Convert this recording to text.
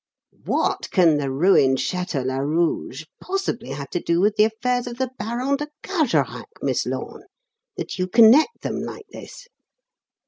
What can the ruined Château Larouge possibly have to do with the affairs of the Baron de Carjorac, Miss Lorne, that you connect them like this?"